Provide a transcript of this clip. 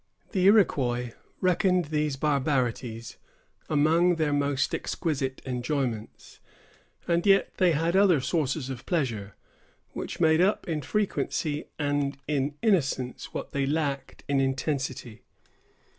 The Iroquois reckoned these barbarities among their most exquisite enjoyments, and yet they had other sources of pleasure, which made up in frequency and in innocence what they lacked in intensity.